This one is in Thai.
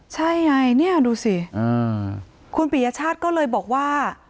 ใช่ไงเนี่ยดูสิคุณปียชาติก็เลยบอกว่า